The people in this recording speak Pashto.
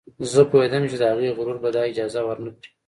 زه پوهېدم چې د هغې غرور به دا اجازه ور نه کړي